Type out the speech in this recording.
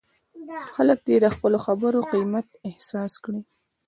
خلک دې د خپلو خبرو قیمت احساس کړي.